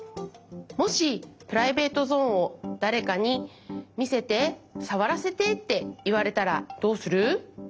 もしプライベートゾーンをだれかに「みせて」「さわらせて」っていわれたらどうする？